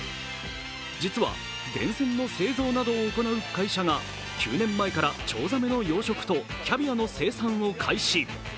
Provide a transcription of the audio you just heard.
実は電線の製造などを行う会社が９年前からチョウザメの養殖とキャビアの生産を開始。